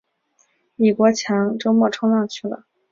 李国强周末冲浪去了，晒得一身古铜色。